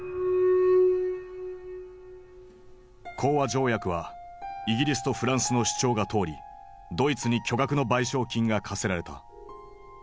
講和条約はイギリスとフランスの主張が通りドイツに巨額の賠償金が科せられた。